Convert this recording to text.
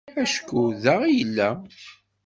Acku da i yella.